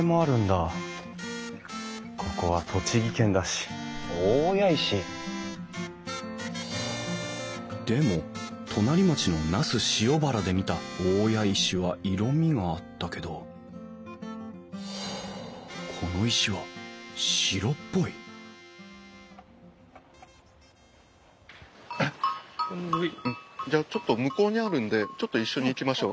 ここは栃木県だし大谷石？でも隣町の那須塩原で見た大谷石は色みがあったけどこの石は白っぽいじゃあちょっと向こうにあるんでちょっと一緒に行きましょう。